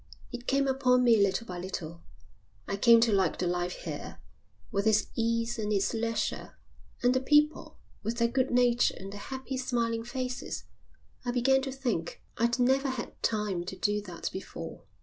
"It came upon me little by little. I came to like the life here, with its ease and its leisure, and the people, with their good nature and their happy smiling faces. I began to think. I'd never had time to do that before.